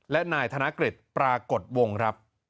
และนายธนกฤษปรากฏวงครับ